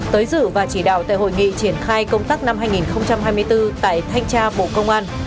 tới dự và chỉ đạo tại hội nghị triển khai công tác năm hai nghìn hai mươi bốn tại thanh tra bộ công an